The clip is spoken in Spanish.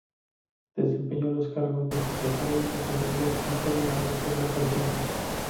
Desempeñó los cargos de secretaria y tesorera adjunta, llegando a ser la presidenta.